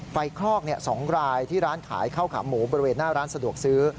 คลอก๒รายที่ร้านขายข้าวขาหมูบริเวณหน้าร้านสะดวกซื้อ